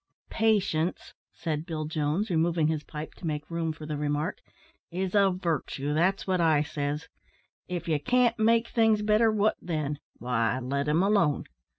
"Patience," said Bill Jones, removing his pipe to make room for the remark, "is a wirtue that's wot I says. If ye can't make things better, wot then? why, let 'em alone.